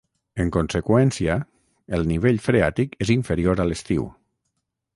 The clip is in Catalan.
En conseqüència, el nivell freàtic és inferior a l'estiu.